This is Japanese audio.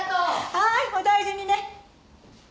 はいお大事にね。